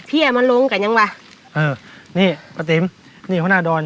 เพียมมันลงกันยังวะเออนี่ปะติมนี่คณะดอน